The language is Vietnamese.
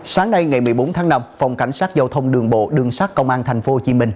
sáng nay ngày một mươi bốn tháng năm phòng cảnh sát giao thông đường bộ đường sát công an tp hcm